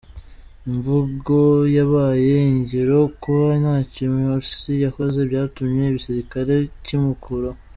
Imvugo yabaye ingiro; kuba ntacyo Morsi yakoze byatumye igisirikare kimukuraho.